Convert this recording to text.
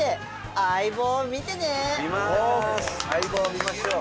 『相棒』見ましょう！